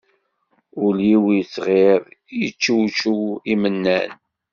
Ul-iw yettɣiḍ, yeččewčew imennan